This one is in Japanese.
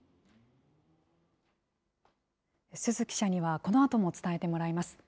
鈴記者にはこのあとも伝えてもらいます。